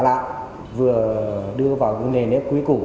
là vừa đưa vào cái nề nếp quý củ